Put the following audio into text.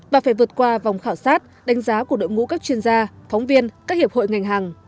và phải vượt qua vòng khảo sát đánh giá của đội ngũ các chuyên gia phóng viên các hiệp hội ngành hàng